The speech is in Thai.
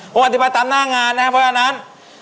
ผมอธิบายตามหน้างานนะครับเพราะฉะนั้น